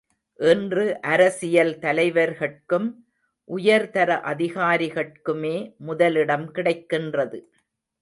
இன்று அரசியல் தலைவர்கட்கும் உயர்தர அதிகாரிகட்குமே முதலிடம் கிடைக்கின்றது.